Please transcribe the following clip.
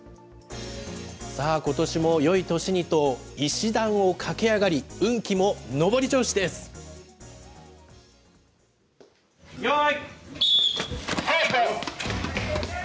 ことしもよい年にと石段を駆け上がり、よーい！